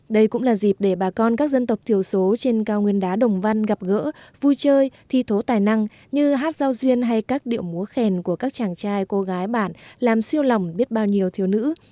đây cũng là dịp để bà con các dân tộc thiểu số trên cao nguyên đá đồng văn gặp gỡ vui chơi thi thố tài năng như hát giao duyên hay các điệu múa khen của các chàng trai cô gái bản làm siêu lòng biết bao nhiêu thiếu nữ